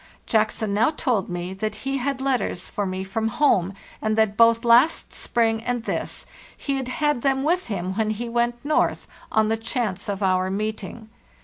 Jackson now told me that he had letters for me from home, and that both last spring and this he had had them with him when he went north, on the chance of our meeting.